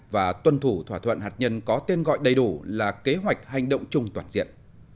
và tuân thủ thỏa thuận hạt nhân có tên gọi đầy đủ là kế hoạch hành động chung toàn diện